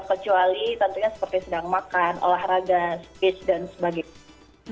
kecuali tentunya seperti sedang makan olahraga speech dan sebagainya